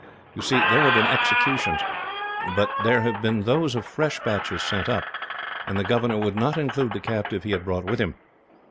You see there have been executions, but they have been those of fresh batches sent up, and the governor would not include the captive he had brought with him.